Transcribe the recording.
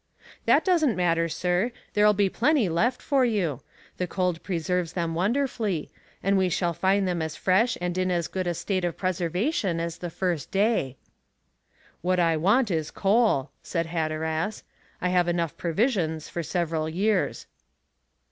"That doesn't matter, sir; there'll be plenty left for you; the cold preserves them wonderfully, and we shall find them as fresh and in as good a state of preservation as the first day." "What I want is coal," said Hatteras; "I have enough provisions for several years."